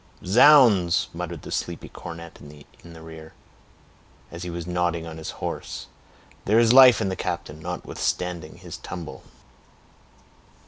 "Zounds!" muttered the sleepy cornet in the rear, as he was nodding on his horse, "there is life in the captain, notwithstanding his tumble."